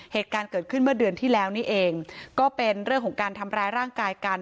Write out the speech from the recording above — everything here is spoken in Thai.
เหตุการณ์เกิดขึ้นเมื่อเดือนที่แล้วนี่เองก็เป็นเรื่องของการทำร้ายร่างกายกัน